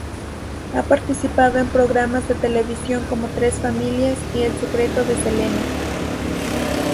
Ha participado en programas de televisión como Tres Familias y El Secreto de Selena.